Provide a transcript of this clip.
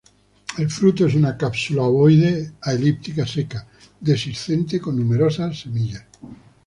El fruto es una cápsula ovoide a elíptica seca, dehiscente con numerosas semillas.